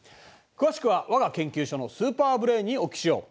詳しくはわが研究所のスーパーブレーンにお聞きしよう。